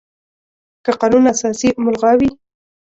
که قانون اساسي ملغا وي،